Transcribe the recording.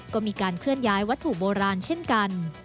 ก็มีการเคลื่อนย้ายวัตถุโบราณเช่นกัน